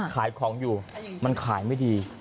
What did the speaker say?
ขายของอยู่มันขายไม่ดี